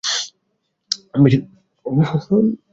বেশি দ্রুত হয়ে যাচ্ছে।